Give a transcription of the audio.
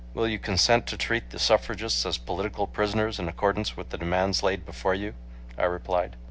"Will you consent to treat the suffragists as political prisoners, in accordance with the demands laid before you?" I replied.